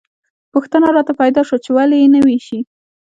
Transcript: پوښتنه راته پیدا شوه چې ولې یې نه ویشي.